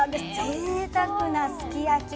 ぜいたくなすき焼き。